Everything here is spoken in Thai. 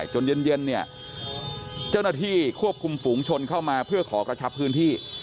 จนเย็นเนี่ยเจ้าหน้าที่ควบคุมฝูงชนเข้ามาเพื่อขอกระชับพื้นที่